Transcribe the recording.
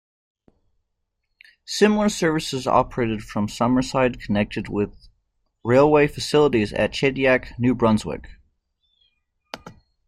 Similar services operated from Summerside connected with railway facilities at Shediac, New Brunswick.